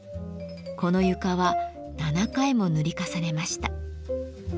この床は７回も塗り重ねました。